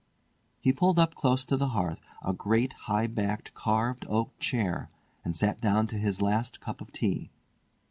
He pulled up close to the hearth a great high backed carved oak chair, and sat down to his last cup of tea.